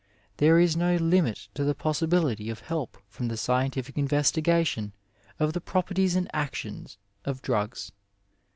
There is no limit to the possibility of help from the scientific investigation of the properties and action of drugs.